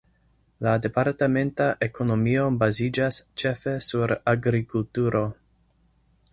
La departementa ekonomio baziĝas ĉefe sur agrikulturo.